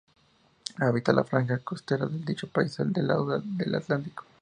Habita la franja costera de dicho país del lado del Atlántico.